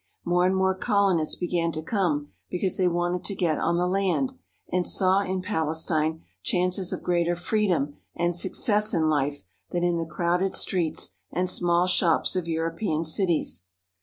More and more colonists began to come because they wanted to get on the land and saw in Pales tine chances of greater freedom and success in life than in the crowded streets and small shops of European cities.